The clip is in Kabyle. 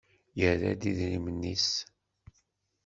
Yerra-d idrimen-nnes.